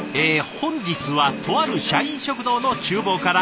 本日はとある社員食堂の厨房から。